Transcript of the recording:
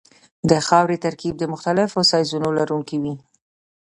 د خاورې ترکیب د مختلفو سایزونو لرونکی وي